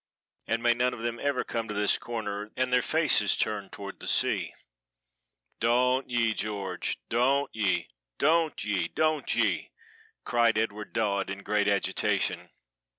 and may none of them ever come to this corner, and their faces turned toward the sea." "Doant ye, George! doant ye! doant ye! doant ye!" cried Edward Dodd in great agitation.